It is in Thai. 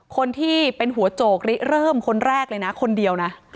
คนที่เป็นหัวโจกริเริ่มคนแรกเลยนะคนเดียวนะ